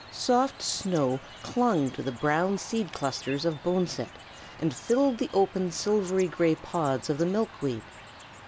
Soft snow clung to the brown seed clusters of boneset and filled the open silvery gray pods of the milkweed.